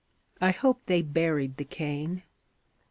I hope they buried the cane.